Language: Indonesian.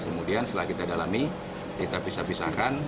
kemudian setelah kita dalami kita pisah pisahkan